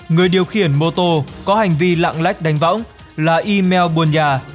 người điều khiển mô tô có hành vi lạng lách đánh võng là y mel buôn gia